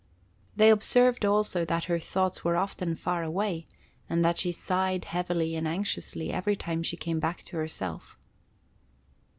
They observed also that her thoughts were often far away, and that she sighed heavily and anxiously every time she came back to herself.